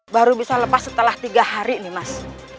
baru bisa lepas setelah tiga hari nih mas